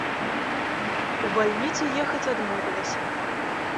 У бальніцу ехаць адмовілася.